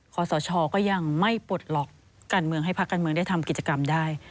ขอสชก็ยังไม่ปลดล็อกการเมืองให้พักการเมืองได้ทำกิจกรรมได้